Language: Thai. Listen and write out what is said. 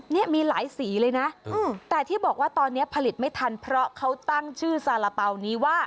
นี่มีหลายสีเลยนะแต่ที่บอกว่าตอนนี้ผลิตไม่ทันเพราะเขาตั้งชื่อสาระเป๋านี้ว่า